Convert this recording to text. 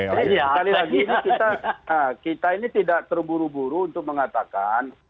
sekali lagi ini kita ini tidak terburu buru untuk mengatakan